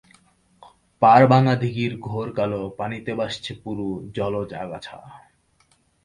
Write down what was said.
পাড়ভাঙা দিঘির ঘোর কালো পানিতে ভাসছে পুরু জলজ আগাছা।